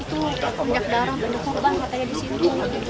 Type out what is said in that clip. itu penyak darah penyak korban katanya di sini